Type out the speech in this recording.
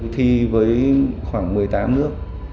thi với khoảng một mươi tám nước